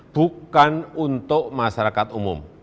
bukan untuk masyarakat umum